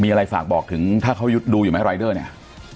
มีอะไรฝากบอกถึงถ้าเขาดูอยู่ไหมรายเดอร์เนี่ย